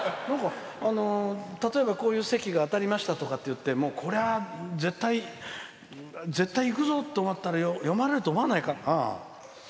例えば、こういう席が当たりましたとかいってこれは絶対行くぞとなったら読まれると思わないか？